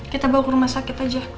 kita bawa ke rumah sakit aja